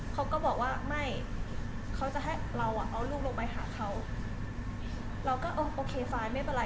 เขาก็บอกว่าไม่เขาจะให้เราเอาลูกลงไปหาเขา